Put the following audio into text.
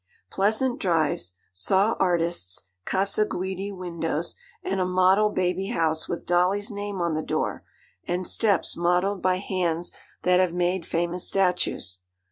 'Pleasant drives. Saw artists, Casa Guidi windows, and a model baby house with dolly's name on the door, and steps modelled by hands that have made famous statues.